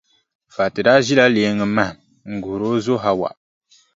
Fati daa ʒila leeŋa mahim n-guhiri o zo Hawa.